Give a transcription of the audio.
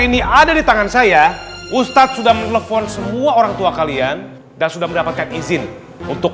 ini ada di tangan saya ustadz sudah menelpon semua orang tua kalian dan sudah mendapatkan izin untuk